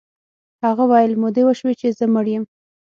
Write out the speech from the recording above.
هغه ویل مودې وشوې چې زه مړ یم